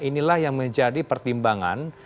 inilah yang menjadi pertimbangan